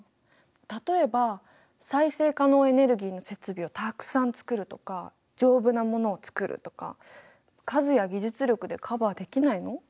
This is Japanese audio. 例えば再生可能エネルギーの設備をたくさん作るとか丈夫なものを作るとか数や技術力でカバーできないの？